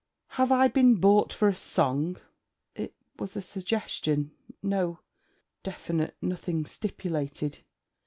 'Have I been bought for a song?' 'It was a suggestion no definite... nothing stipulated.'